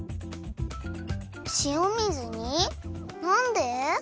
なんで？